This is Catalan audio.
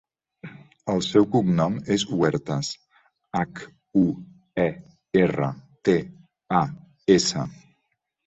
El seu cognom és Huertas: hac, u, e, erra, te, a, essa.